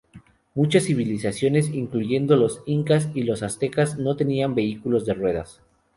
Muchas civilizaciones, incluyendo los incas y los aztecas, no tenían vehículos de ruedas.